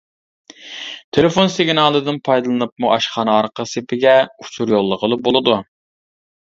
تېلېفون سىگنالىدىن پايدىلىنىپمۇ ئاشخانا ئارقا سېپىگە ئۇچۇر يوللىغىلى بولىدۇ.